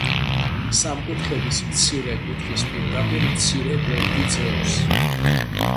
სამკუთხედის მცირე კუთხის პირდაპირ მცირე გვერდი ძევს.